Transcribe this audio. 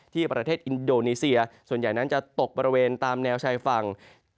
ที่ประเทศอินโดนีเซียส่วนใหญ่นั้นจะตกบริเวณตามแนวชายฝั่ง